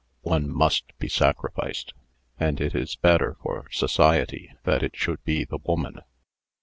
One must be sacrificed. And it is better for society that it should be the woman."